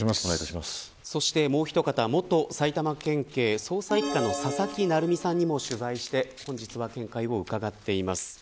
そしてもうひと方元埼玉県警捜査一課の佐々木成三さんにも取材して本日は見解を伺っています。